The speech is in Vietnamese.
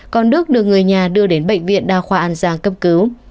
còn đức được người nhà đưa đến bệnh viện đa khoa an giang cấp cứu